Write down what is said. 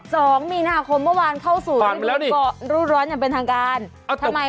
สองมีนาคมเมื่อวานเข้าสู่เกาะรูดร้อนอย่างเป็นทางการทำไม